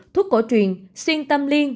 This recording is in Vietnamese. thuốc cổ truyền xuyên tâm liên